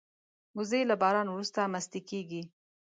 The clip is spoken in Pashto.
وزې له باران وروسته مستې کېږي